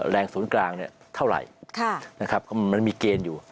แรงศูนย์กลางเนี่ยเท่าไหร่มันมีเกณฑ์อยู่